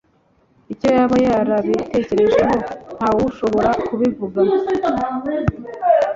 icyo yaba yarabitekerejeho, ntawushobora kubivuga